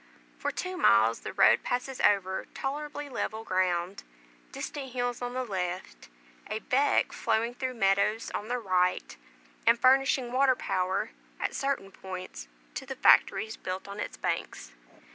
For two miles the road passes over tolerably level ground, distant hills on the left, a "beck" flowing through meadows on the right, and furnishing water power, at certain points, to the factories built on its banks.